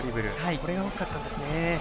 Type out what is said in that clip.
これが大きかったんですね。